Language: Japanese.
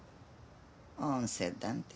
温泉なんて。